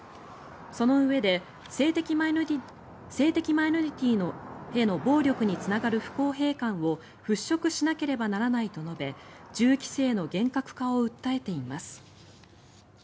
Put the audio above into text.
そのうえで性的マイノリティーへの暴力につながる不公平感を払しょくしなければならないと述べ銃規制の厳格化を訴えています。